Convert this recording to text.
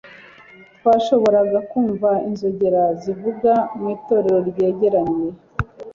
Twashoboraga kumva inzogera zivuga mu itorero ryegereye